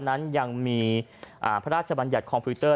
นั้นยังมีพระราชบัญญัติคอมพิวเตอร์